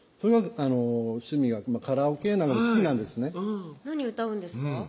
趣味がカラオケなので好きなんですね何歌うんですか？